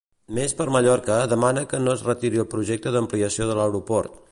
Més per Mallorca demana que no es retiri el projecte d'ampliació de l'aeroport.